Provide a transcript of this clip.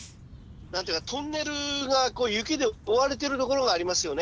何ていうかトンネルが雪で覆われてる所がありますよね？